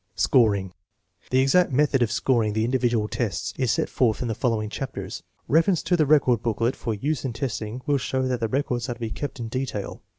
Scoring. The exact method of scoring the individual tests is set forth in the following chapters. Reference to the record booklet for use in testing will show that the records are to be kept in detail.